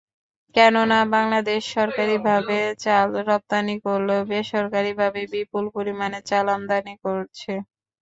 কেননা, বাংলাদেশ সরকারিভাবে চাল রপ্তানি করলেও বেসরকারিভাবে বিপুল পরিমাণে চাল আমদানি করছে।